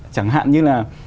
chẳng hạn như là